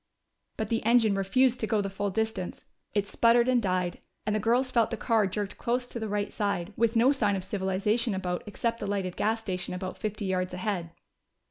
But the engine refused to go the full distance: it sputtered and died, and the girls felt the car jerked close to the right side, with no sign of civilization about except the lighted gas station about fifty yards ahead.